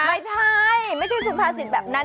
ไม่ใช่ไม่ใช่สุภาษิตแบบนั้น